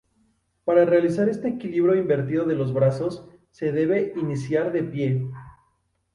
Para realizar este equilibrio invertido de brazos, se debe iniciar de pie.